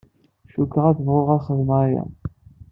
Cukkeɣ ad bɣuɣ ad xedmeɣ aya.